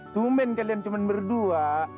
tumen kalian cuman berdua